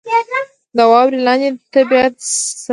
• د واورې لاندې طبیعت سحر ښکاري.